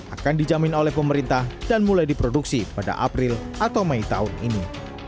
akan dijamin oleh pemerintah dan mulai diproduksi pada april atau mei tahun ini